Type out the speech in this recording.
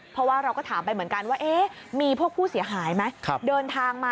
เพราะว่าเราก็ตามไปเหมือนกันว่าเอ๊ะมีพวกผู้เสียหายไหม